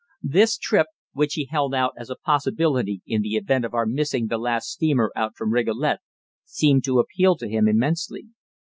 This trip, which he held out as a possibility in the event of our missing the last steamer out from Rigolet, seemed to appeal to him immensely.